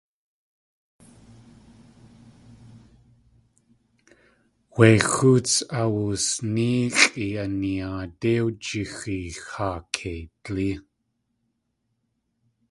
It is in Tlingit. Wé xóots awusnéexʼi a yinaadé wjixeex haa keidlí.